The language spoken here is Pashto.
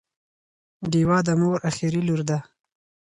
ډیوه د مور اخري لور ده